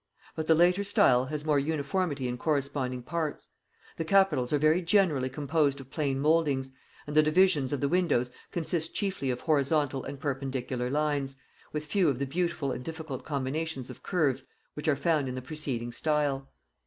But the later style has more uniformity in corresponding parts; the capitals are very generally composed of plain mouldings, and the divisions of the windows consist chiefly of horizontal and perpendicular lines, with few of the beautiful and difficult combinations of curves which are found in the preceding style.